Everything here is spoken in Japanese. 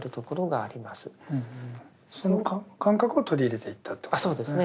その感覚を取り入れていったということですね。